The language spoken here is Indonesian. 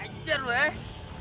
ayo jangan beres